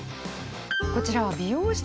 こちらは美容室。